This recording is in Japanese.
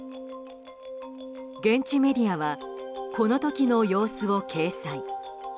現地メディアはこの時の様子を掲載。